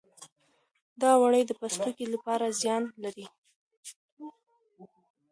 دوړې د پوستکي لپاره زیان لري.